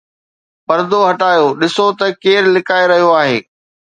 پردو هٽايو، ڏسون ته ڪير لڪائي رهيو آهي؟